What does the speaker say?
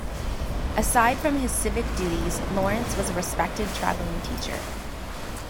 Aside from his civic duties, Lawrence was a respected traveling teacher.